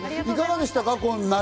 いかがでしたか？